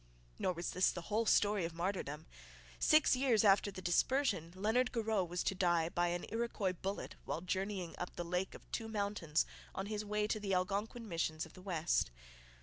Nor was this the whole story of martyrdom. Six years after the dispersion Leonard Garreau was to die by an Iroquois bullet while journeying up the Lake of Two Mountains on his way to the Algonquin missions of the west.